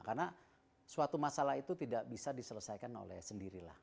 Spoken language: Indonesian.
karena suatu masalah itu tidak bisa diselesaikan oleh sendirilah